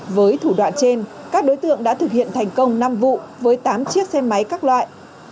với thủ đoạn trên các đối tượng đã thực hiện thành công năm vụ với tám chiếc xe máy các loại